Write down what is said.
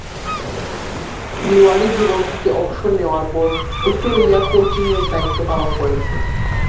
খেলোয়াড়ী জীবন থেকে অবসর নেয়ার পর ভিক্টোরিয়ার কোচিংয়ের দায়িত্ব পালন করেছেন।